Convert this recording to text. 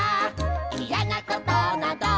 「いやなことなど」